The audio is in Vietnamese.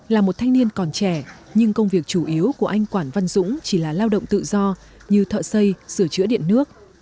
là một thanh niên còn trẻ nhưng công việc chủ yếu của anh quản văn dũng chỉ là lao động tự do như thợ xây sửa chữa điện nước